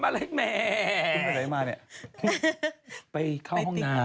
ทำไมเธอไม่มานี่ไปติ๊กไปเข้าห้องน้ำ